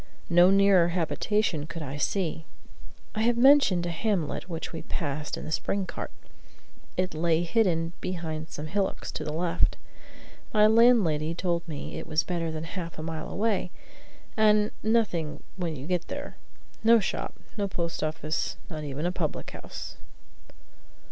No nearer habitation could I see. I have mentioned a hamlet which we passed in the spring cart. It lay hidden behind some hillocks to the left. My landlady told me it was better than half a mile away, and "nothing when you get there; no shop; no post office; not even a public house."